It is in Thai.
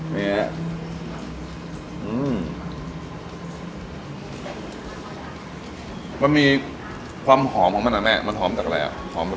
เส้นหมี่แห้งลูกชิ้นเนื้อเปื่อยนะครับผม